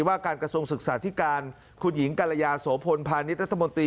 ว่าการกระทรวงศึกษาธิการคุณหญิงกรยาโสพลพาณิชยรัฐมนตรี